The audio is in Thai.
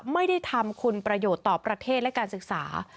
ไม่ได้ทำคุณประโยชน์ต่อประเทศและการศึกษา